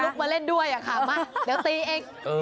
ไม่ก็ลุกมาเล่นด้วยอะค่ะมาเดี๋ยวตีเอง